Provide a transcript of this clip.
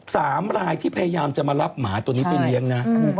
สามรายที่พยายามจะมารับหมาตัวนี้ไปเลี้ยงนะ